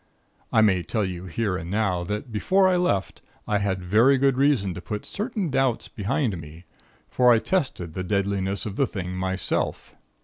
I may tell you here and now, that before I left, I had very good reason to put certain doubts behind me; for I tested the deadliness of the thing myself.